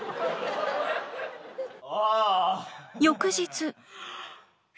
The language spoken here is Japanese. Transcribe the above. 翌日。